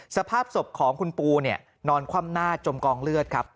สภาพศพของคุณปูนอนคว่ำหน้าจมกองเลือดครับ